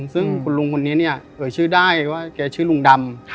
ซึ่งคุณลุงคนนี้เนี่ยเอ่ยชื่อได้ว่าแกชื่อลุงดำ